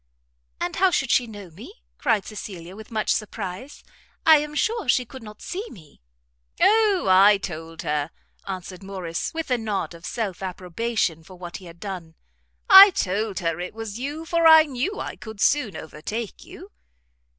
"And how should she know me?" cried Cecilia, with much surprise; "I am sure she could not see me." "O, I told her,", answered Morrice, with a nod of self approbation for what he had done, "I told her it was you, for I knew I could soon overtake you."